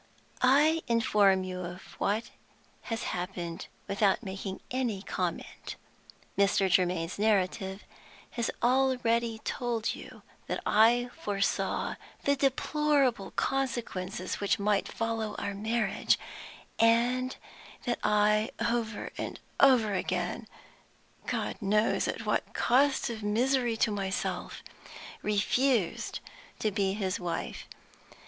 "I inform you of what has happened without making any comment. Mr. Germaine's narrative has already told you that I foresaw the deplorable consequences which might follow our marriage, and that I over and over again (God knows at what cost of misery to myself) refused to be his wife.